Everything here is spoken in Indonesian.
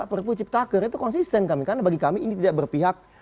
perpu ciptaker itu konsisten kami karena bagi kami ini tidak berpihak